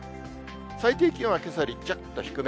最低気温はけさよりちょっと低め。